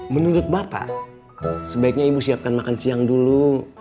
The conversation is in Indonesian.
menurut bapak sebaiknya ibu siapkan makan siang dulu